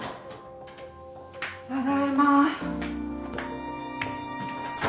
ただいま。